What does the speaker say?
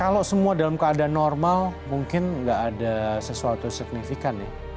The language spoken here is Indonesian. kalau semua dalam keadaan normal mungkin nggak ada sesuatu signifikan ya